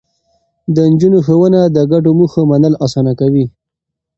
د نجونو ښوونه د ګډو موخو منل اسانه کوي.